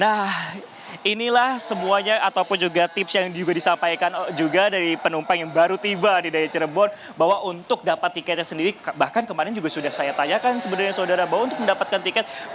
nah inilah semuanya ataupun juga tips yang juga disampaikan juga dari penumpang yang baru tiba di dari cirebon bahwa untuk dapat tiketnya sendiri bahkan kemarin juga sudah saya tanyakan sebenarnya saudara bahwa untuk mendapatkan tiket